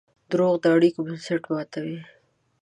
دروغ د اړیکو بنسټ ماتوي.